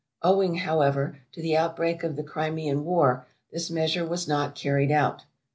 Owing, however, to the outbreak of the Crimean war, this measure was not carried out.